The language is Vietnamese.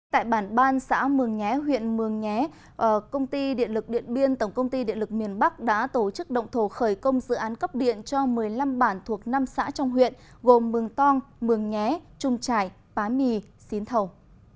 tại bản ban xã mường nhé huyện mường nhé công ty điện lực điện biên tổng công ty điện lực miền bắc đã tổ chức động thổ khởi công dự án cấp điện cho một mươi năm bản thuộc năm xã trong huyện gồm mường tong mường nhé trung trải bá mì xín thầu